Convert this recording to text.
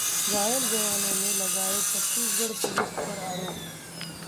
घायल जवानों ने लगाए छत्तीसगढ़ पुलिस पर आरोप